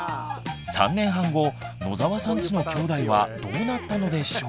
３年半後野澤さんちのきょうだいはどうなったのでしょう。